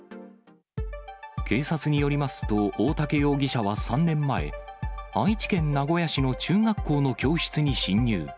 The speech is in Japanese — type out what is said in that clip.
警察によりますと、大竹容疑者は３年前、愛知県名古屋市の中学校の教室に侵入。